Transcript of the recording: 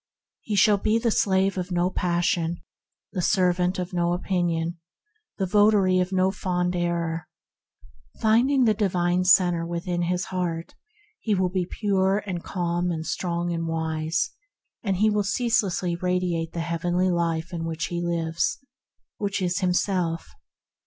He shall be the slave of no passion, the servant of no opinion, the votary of no fond error. Finding the Divine Centre within (his own heart) he will be pure and calm and strong and wise, and ceaselessly radiate the Heavenly Life in which he lives — which is himself — His Divine Self.